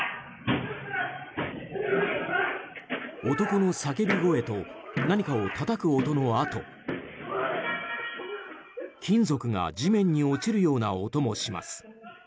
男の叫び声と何かをたたく音のあと金属が地面に落ちるような音もします。